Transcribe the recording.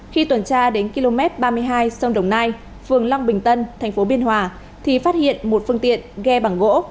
khi tuần tra đến km ba mươi hai sông đồng nai phường long bình tân thành phố biên hòa thì phát hiện một phương tiện ghe bằng gỗ